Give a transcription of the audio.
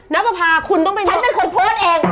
ประพาคุณต้องไปฉันเป็นคนโพสต์เอง